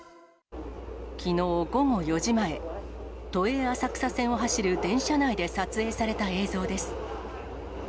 きのう午後４時前、都営浅草線を走る電車内で撮影された映像です。